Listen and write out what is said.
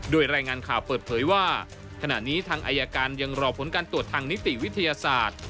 โดยรายงานข่าวเปิดเผยว่าขณะนี้ทางอายการยังรอผลการตรวจทางนิติวิทยาศาสตร์